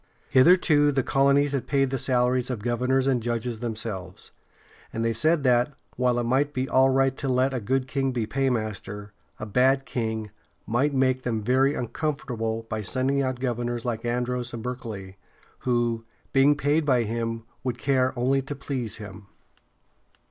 Hitherto, the colonies had paid the salaries of governors and judges themselves, and they said that, while it might be all right to let a good king be paymaster, a bad king might make them very uncomfortable by sending out governors like Andros and Berkeley, who, being paid by him, would care only to please him.